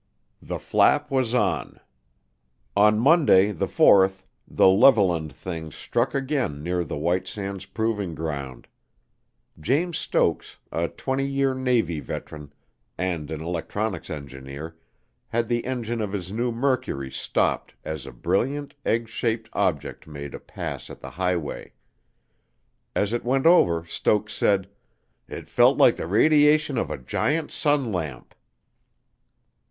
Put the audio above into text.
The flap was on. On Monday, the 4th, the "Levelland Thing" struck again near the White Sands Proving Ground. James Stokes, a 20 year Navy veteran, and an electronics engineer, had the engine of his new Mercury stopped as "a brilliant, egg shaped" object made a pass at the highway. As it went over, Stokes said, "it felt like the radiation of a giant sun lamp."